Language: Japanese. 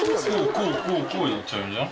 こうこうこうやっちゃうじゃん。